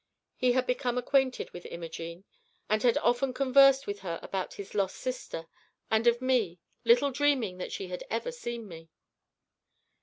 He had become acquainted with Imogene, and had often conversed with her about her lost sister, and of me, little dreaming that she had ever seen me.